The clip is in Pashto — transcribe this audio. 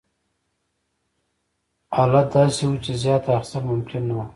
حالت داسې و چې زیات اخیستل ممکن نه وو.